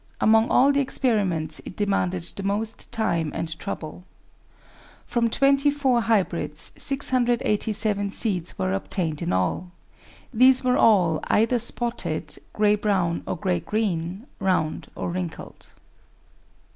Among all the experiments it demanded the most time and trouble. From 24 hybrids 687 seeds were obtained in all: these were all either spotted, grey brown or grey green, round or wrinkled.